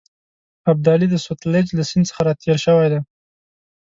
ابدالي د سوتلیج له سیند څخه را تېر شوی دی.